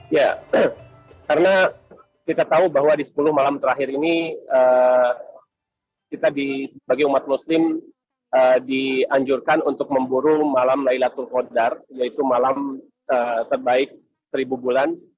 ya karena kita tahu bahwa di sepuluh malam terakhir ini kita sebagai umat muslim dianjurkan untuk memburu malam laylatul qaddar yaitu malam terbaik seribu bulan